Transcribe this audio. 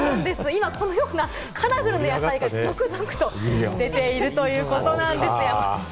今このようなカラフル野菜が続々と出ているということなんです。